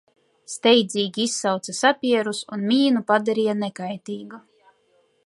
Steidzīgi izsauca sapierus un mīnu padarīja nekaitīgu.